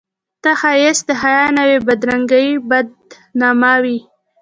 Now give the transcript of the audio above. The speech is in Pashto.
ته ښایست د حیا نه وې بدرنګي وې بد نما وې